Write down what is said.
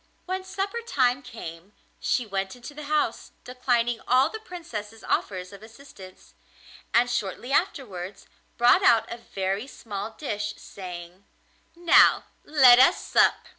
When supper time came she went into the house, declining all the Princess's offers of assistance, and shortly afterwards brought out a very small dish, saying: 'Now let us sup.